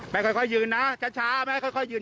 ไม่ค่อยยืนนะช้าไม่ค่อยยืน